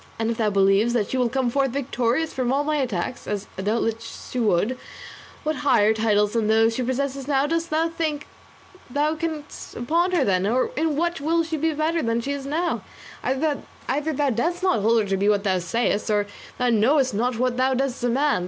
And if thou believest that she will come forth victorious from all my attacks as doubtless she would what higher titles than those she possesses now dost thou think thou canst bestow upon her then, or in what will she be better then than she is now? Either thou dost not hold her to be what thou sayest, or thou knowest not what thou dost demand.